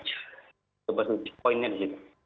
itu poinnya di situ